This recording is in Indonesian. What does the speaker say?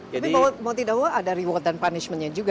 tapi mau tidak dulu ada reward dan punishmentnya juga